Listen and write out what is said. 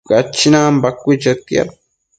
Cachinan bacuë chetiad